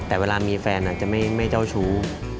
อาจจะไม่เจ้าชู้